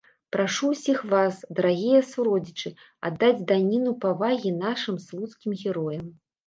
Прашу ўсіх вас, дарагія суродзічы, аддаць даніну павагі нашым слуцкім героям!